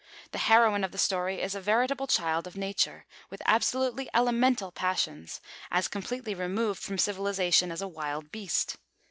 The heroine of the story is a veritable child of nature, with absolutely elemental passions, as completely removed from civilisation as a wild beast.